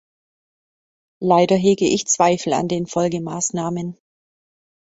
Leider hege ich Zweifel an den Folgemaßnahmen.